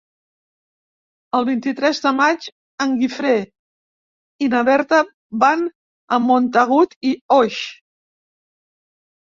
El vint-i-tres de maig en Guifré i na Berta van a Montagut i Oix.